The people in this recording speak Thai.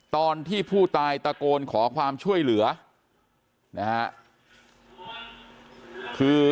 ตอนที่ผู้ตายตะโกนขอความช่วยเหลือนะฮะ